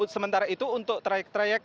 sementara itu untuk trayek trayek